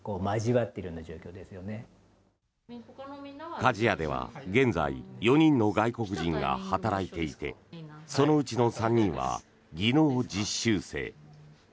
加治屋では現在４人の外国人が働いていてそのうちの３人は技能実習生。